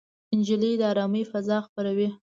نجلۍ د ارامۍ فضا خپروي.